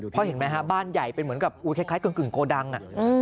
เพราะเห็นไหมฮะบ้านใหญ่เป็นเหมือนกับคล้ายกึ่งโกดัง